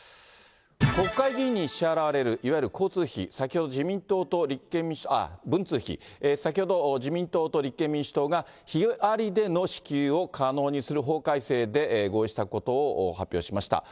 国会議員に支払われる、いわゆる交通費、先ほど自民党と、ああ、文通費、先ほど、自民党と立憲民主党が日割りでの支給を可能にする法改正で合意したことを発表しました。